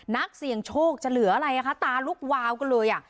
นักเสี่ยงโชคจะเหลืออะไรอ่ะคะตาลุกวาวกันเลยอ่ะ